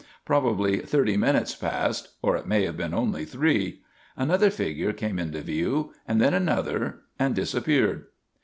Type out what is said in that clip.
Probably thirty minutes passed, or it may have been only three. Another figure came into view; and then another, and disappeared.